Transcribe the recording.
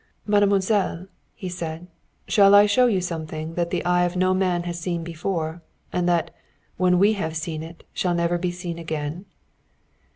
"Mademoiselle," he said, "shall I show you something that the eye of no man has seen before, and that, when we have seen it, shall never be seen again?"